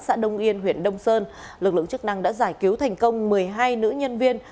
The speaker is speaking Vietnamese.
xã đông yên huyện đông sơn lực lượng chức năng đã giải cứu thành công một mươi hai nữ nhân viên